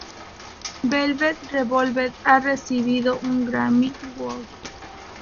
Velvet Revolver ha recibido un Grammy Award.